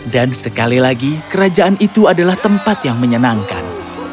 dan sekali lagi kerajaan itu adalah tempat yang menyenangkan